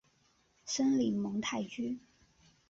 森林蒙泰居。